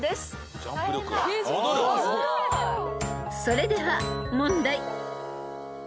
［それでは問題］